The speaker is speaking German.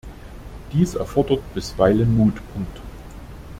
Dies erfordert bisweilen Mut.